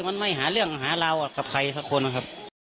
มันไม่หาเรื่องหาราวกับใครสักคนนะครับ